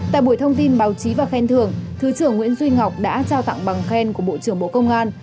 tại buổi thông tin báo chí và khen thưởng thứ trưởng nguyễn duy ngọc đã trao tặng bằng khen của bộ trưởng bộ công an